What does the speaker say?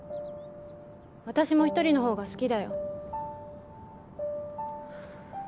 私も一人の方が好きだよ